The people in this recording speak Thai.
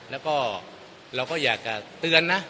แล้วก็เราก็อยากจะเตือนนะ